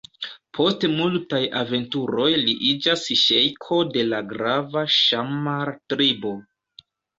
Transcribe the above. Post multaj aventuroj li iĝas ŝejko de la grava Ŝammar-tribo.